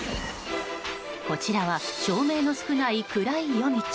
こちらは照明の少ない暗い夜道。